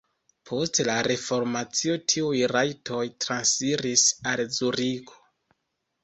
Post la reformacio tiuj rajtoj transiris al Zuriko.